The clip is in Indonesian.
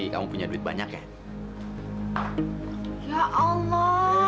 kamu tuh ngapain datang ke sini